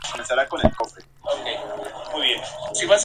Nació en Cleveland y se crio en la pequeña ciudad de Pepper Pike.